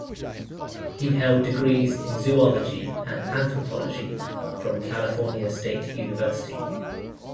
He held degrees in zoology and anthropology from California State University.